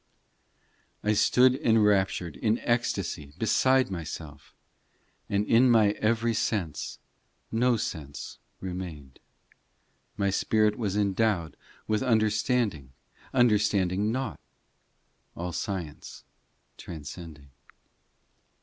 in I stood enraptured In ecstasy, beside myself, And in my every sense No sense remained. My spirit was endowed With understanding, understanding nought. All science transcending.